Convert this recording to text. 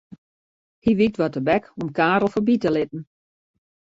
Hy wykt wat tebek om Karel foarby te litten.